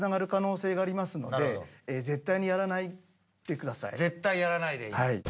これ絶対やらないではい